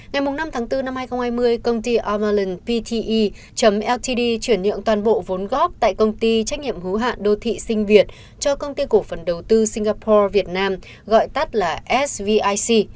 ngày năm tháng bốn năm hai nghìn hai mươi công ty omalland pte ltd chuyển nhượng toàn bộ vốn góp tại công ty trách nhiệm hữu hạn đô thị sinh việt cho công ty cổ phần đầu tư singapore việt nam gọi tắt là svic